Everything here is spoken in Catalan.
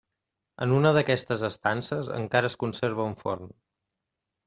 En una d'aquestes estances encara es conserva un forn.